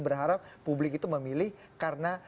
berharap publik itu memilih karena